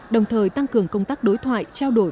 đồng thời tăng cường công tác đối thoại trao đổi